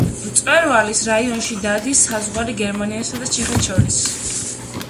მწვერვალის რაიონში გადის საზღვარი გერმანიასა და ჩეხეთს შორის.